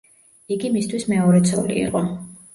იგი მისთვის მეორე ცოლი იყო.